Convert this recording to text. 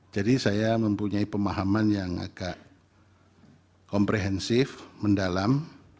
jadi saya mempunyai pemahaman yang agak komprehensif mendalam